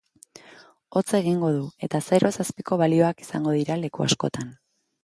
Hotz egingo du, eta zeroz azpiko balioak izango dira leku askotan.